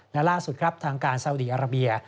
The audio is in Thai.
ในล่าสุดทางการซาวดีอาระเบีย